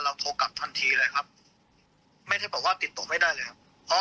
โทรกลับทันทีเลยครับไม่ได้บอกว่าติดต่อไม่ได้เลยครับ